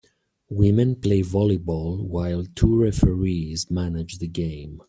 Women play volleyball while two referees manage the game.